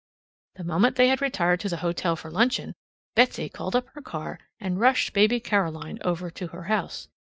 The moment they had retired to the hotel for luncheon, Betsy called up her car, and rushed baby Caroline over to her house.